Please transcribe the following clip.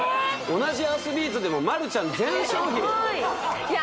同じアスリートでも丸ちゃん全商品いや